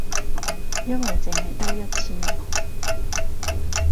因為淨係得一次